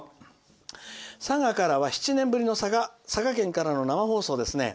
佐賀からは７年ぶりの佐賀県からの生放送ですね。